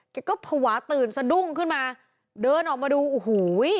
แกก็ภาวะตื่นสะดุ้งขึ้นมาเดินออกมาดูโอ้โห